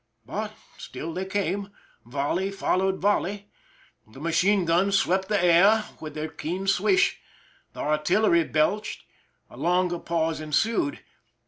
But still they came. Volley followed volley. The machine guns swept the air with their keen swish. The artillery belched. A longer pause ensued.